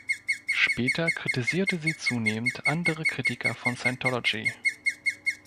Später kritisierte sie zunehmend andere Kritiker von Scientology.